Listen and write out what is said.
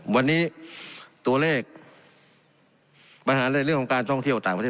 วันนี้ตัวเลขปัญหาในเรื่องของการท่องเที่ยวต่างประเทศ